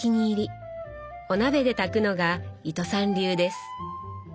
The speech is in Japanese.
お鍋で炊くのが糸さん流です。